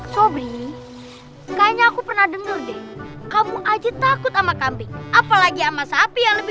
sobri kayaknya aku pernah denger deh kamu aja takut sama kambing apalagi sama sapi yang lebih